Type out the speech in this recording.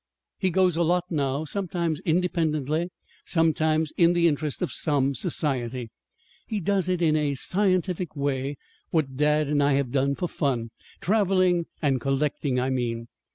He goes a lot now, sometimes independently, sometimes in the interest of some society. He does in a scientific way what dad and I have done for fun traveling and collecting, I mean.